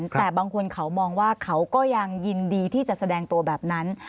แต่บางคนเขามองว่าเขาก็ยังยินดีที่จะแสดงตัวแบบนั้น